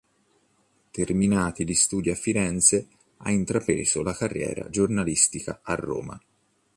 Terminati gli studi a Firenze ha intrapreso la carriera giornalistica a Roma.